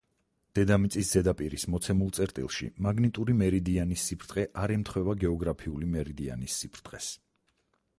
დედამიწის ზედაპირის მოცემულ წერტილში მაგნიტური მერიდიანის სიბრტყე არ ემთხვევა გეოგრაფიული მერიდიანის სიბრტყეს.